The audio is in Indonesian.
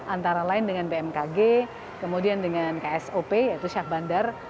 antara lain dengan bmkg kemudian dengan ksop yaitu syah bandar